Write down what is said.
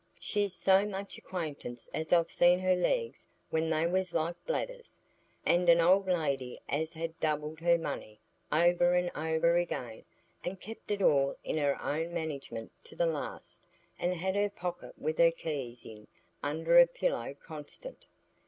"She's so much acquaintance as I've seen her legs when they was like bladders. And an old lady as had doubled her money over and over again, and kept it all in her own management to the last, and had her pocket with her keys in under her pillow constant.